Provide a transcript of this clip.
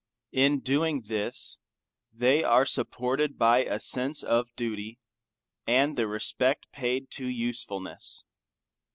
In doing this, they are supported by a sense of duty, and the respect paid to usefulness.